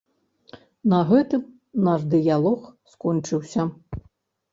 На гэтым наш дыялог скончыўся.